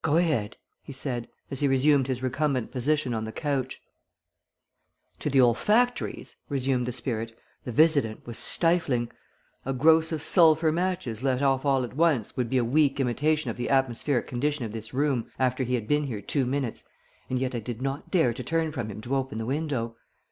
"Go ahead," he said, as he resumed his recumbent position on the couch. "To the olfactories," resumed the spirit, "the visitant was stifling. A gross of sulphur matches let off all at once would be a weak imitation of the atmospheric condition of this room after he had been here two minutes, and yet I did not dare to turn from him to open the window.